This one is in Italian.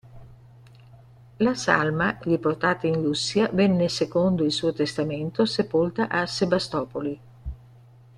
La salma, riportata in Russia, venne secondo il suo testamento sepolta a Sebastopoli.